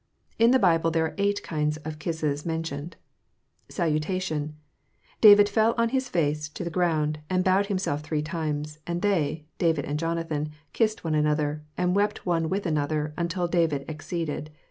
In the Bible there are eight kinds of kisses mentioned: Salutation.—David fell on his face to the ground, and bowed himself three times; and they [David and Jonathan] kissed one another, and wept one with another, until David exceeded.